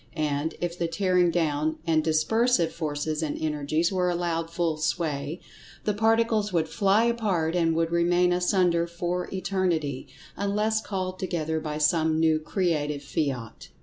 And, if the tearing down, and dispersive forces and energies were allowed full sway, the Particles would fly apart and would remain asunder for Eternity, unless called together by some new Creative fiat.